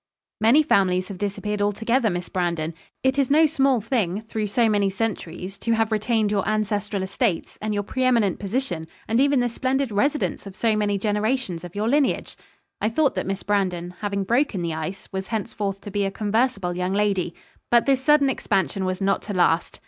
'Many families have disappeared altogether, Miss Brandon. It is no small thing, through so many centuries, to have retained your ancestral estates, and your pre eminent position, and even this splendid residence of so many generations of your lineage.' I thought that Miss Brandon, having broken the ice, was henceforth to be a conversable young lady. But this sudden expansion was not to last.